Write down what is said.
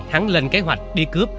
hắn lên kế hoạch đi cướp